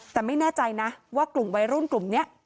แต่ไม่แน่ใจนะว่ากลุ่มวัยรุ่นกลุ่มนี้